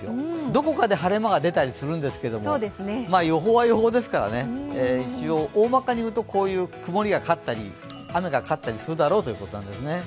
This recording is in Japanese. どこかで晴れ間が出たりするんですけど、予報は予報ですから、大まかに言うと曇りが勝ったり、雨が勝ったりするだろうということですね。